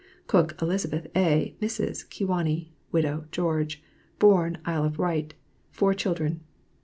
COOK ELIZABETH A. Mrs. Kewanee; widow George; born Isle of Wight; four children.